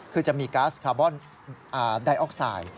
คือจะมีก๊าซคาร์บอนไดออกไซด์